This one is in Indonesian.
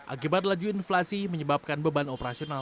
akibat laju inflasi menyebabkan beban operasional